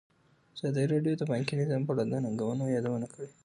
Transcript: ازادي راډیو د بانکي نظام په اړه د ننګونو یادونه کړې.